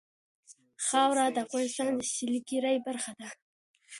خاوره د افغانستان د سیلګرۍ برخه ده.